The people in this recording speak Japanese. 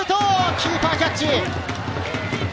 キーパー、キャッチ。